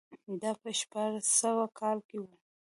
دا په شپاړس سوه کال کې و.